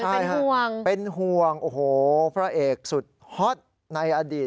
ใช่ห่วงเป็นห่วงโอ้โหพระเอกสุดฮอตในอดีต